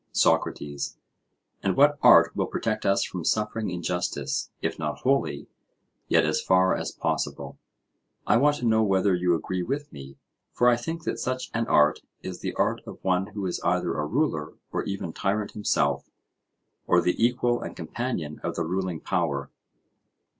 SOCRATES: And what art will protect us from suffering injustice, if not wholly, yet as far as possible? I want to know whether you agree with me; for I think that such an art is the art of one who is either a ruler or even tyrant himself, or the equal and companion of the ruling power.